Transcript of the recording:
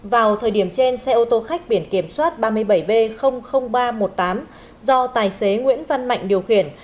vào thời điểm trên xe ô tô khách biển kiểm soát ba mươi bảy b ba trăm một mươi tám do tài xế nguyễn văn mạnh điều khiển